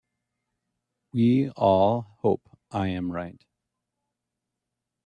We all hope I am right.